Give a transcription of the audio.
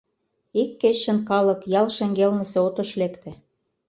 Ик кечын калык ял шеҥгелнысе отыш лекте.